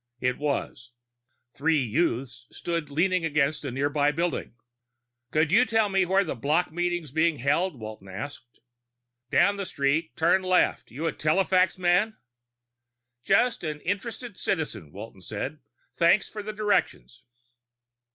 It was. Three youths stood leaning against a nearby building. "Could you tell me where the block meeting's being held?" Walton asked. "Down the street and turn left. You a telefax man?" "Just an interested citizen," Walton said. "Thanks for the directions."